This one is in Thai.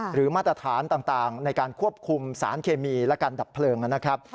มาตรฐานต่างในการควบคุมสารเคมีและการดับเพลิงนะครับ